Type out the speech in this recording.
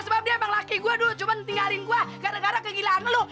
sebab dia emang laki gue dulu cuma tinggalin gue gara gara kegilaan lo